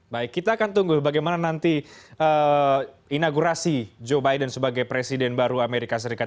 baik kita akan tunggu bagaimana nanti inaugurasi joe biden sebagai presiden baru amerika serikat